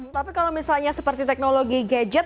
tapi kalau misalnya seperti teknologi gadget